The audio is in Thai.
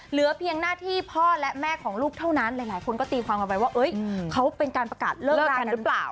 เหลือเพียงหน้าที่พ่อและแม่ของลูกเท่านั้นหลายคนก็ตีความกันไปว่าเขาเป็นการประกาศเลิกกันหรือเปล่า